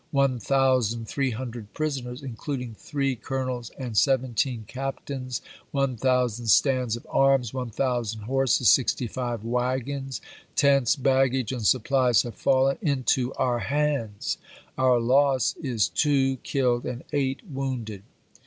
One thousand three hundred pris oners, including three colonels and seventeen cap tains, 1000 stands of arms, 1000 horses, 65 wagons, tents, baggage, and supplies have fallen into our ^^ Haifeck. hands. Our loss is two killed and eight wounded."